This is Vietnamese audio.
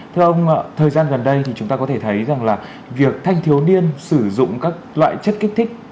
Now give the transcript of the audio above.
thưa ông thời gian gần đây thì chúng ta có thể thấy rằng là việc thanh thiếu niên sử dụng các loại chất kích thích